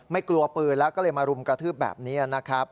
ไม่กลัวปืนแล้วก็เลยมารุมกระทืบแบบนี้นะครับ